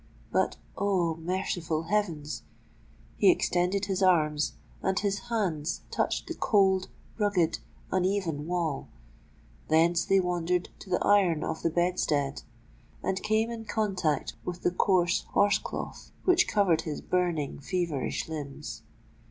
But—oh! merciful heavens!—he extended his arms, and his hands touched the cold—rugged—uneven wall: thence they wandered to the iron of the bed stead—and came in contact with the coarse horse cloth which covered his burning, feverish limbs!